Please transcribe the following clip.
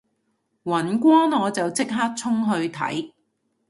尹光我就即刻衝去睇